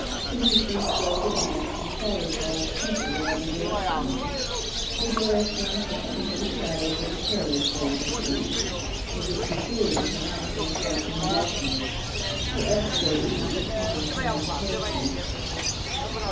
Policemen strolled about, and trolley cars twinkled in every direction. The girl shrank back into the shadows of the carriage for an instant, as if she feared to come out from the sheltering darkness. Her escort half defined her hesitation.